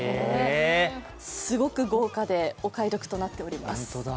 すごく豪華でお買い得となっております。